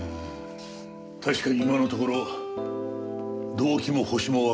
確かに今のところ動機もホシもわからない。